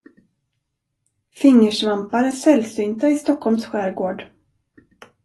Fingersvampar är sällsynta i Stockholms skärgård.